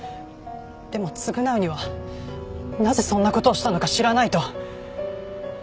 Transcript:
でも償うにはなぜそんな事をしたのか知らないと！